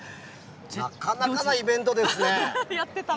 なかなかなイベントで。